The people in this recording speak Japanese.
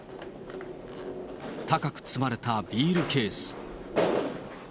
高く積まれたビールケース。